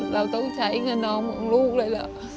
เราต้องใช้เงินน้องของลูกเลยเหรอ